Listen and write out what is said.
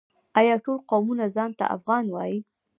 آیا ټول قومونه ځان ته افغان وايي؟